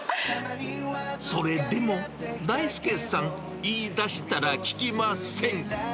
それでも大輔さん、言いだしたら聞きません。